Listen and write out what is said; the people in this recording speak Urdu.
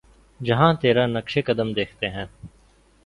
جہاں تیرا نقشِ قدم دیکھتے ہیں